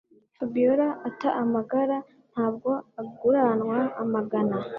Fabiora atiamagara ntabwo aguranwa amagana